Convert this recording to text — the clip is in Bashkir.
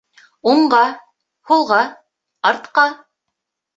Уңға, һулға, артҡа